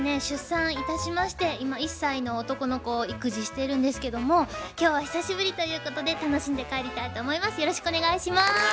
出産いたしまして今１歳の男の子を育児してるんですけども今日は久しぶりということで楽しんで帰りたいと思います。